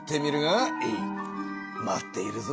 待っているぞ。